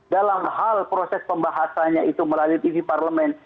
dalam hal proses pembahasannya itu melalui tv parlemen